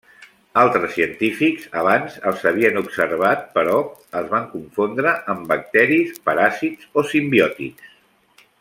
Altres científics abans els havien observat però els van confondre amb bacteris paràsits o simbiòtics.